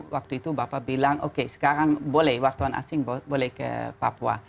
waktu itu bapak bilang oke sekarang boleh wartawan asing boleh ke papua